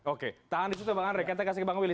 oke tahan di situ bang anri